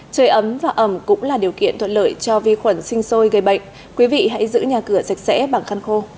trời ấm và ẩm cũng là điều kiện thuận lợi cho vi khuẩn sinh sôi gây bệnh quý vị hãy giữ nhà cửa sạch sẽ bằng khăn khô